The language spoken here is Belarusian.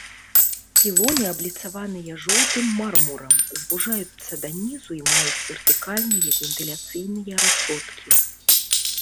Пілоны абліцаваныя жоўтым мармурам, звужаюцца да нізу і маюць вертыкальныя вентыляцыйныя рашоткі.